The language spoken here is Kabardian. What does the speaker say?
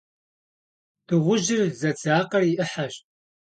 Дыгъужьыр зэдзакъэр и Ӏыхьэщ.